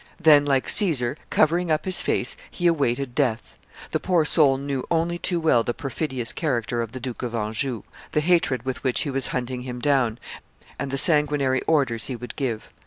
Then, like Caesar, covering up his face, he awaited death the poor soul knew only too well the perfidious character of the Duke of Anjou, the hatred with which he was hunting him down, and the sanguinary orders he would give.